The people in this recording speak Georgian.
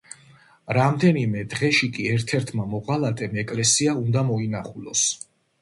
რამდენიმე დღეში კი ერთ-ერთმა მოღალატემ ეკლესია უნდა მოინახულოს.